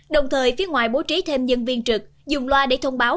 đồng thời phía ngoài bố trí thêm nhân viên trực dùng loa để thông báo